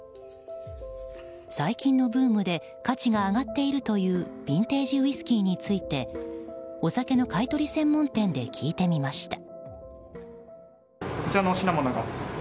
最近のブームで価値が上がっているというビンテージウイスキーについてお酒の買い取り専門店で聞いてみました。